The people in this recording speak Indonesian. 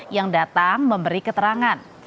yang datang memberi keterangan